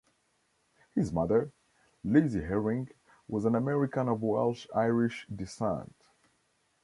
His mother, Lizzie Herring, was an American of Welsh-Irish descent.